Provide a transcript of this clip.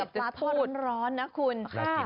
มีสัสวรรค์ร้อนนะคุณ